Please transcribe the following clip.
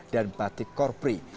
dan batik korpri